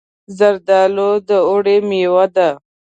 زردالو د اوړي مېوه ده.